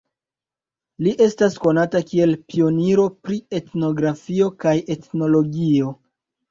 Li estas konata kiel pioniro pri etnografio kaj etnologio.